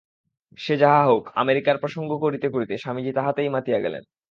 সে যাহা হউক, আমেরিকার প্রসঙ্গ করিতে করিতে স্বামীজী তাহাতেই মাতিয়া গেলেন।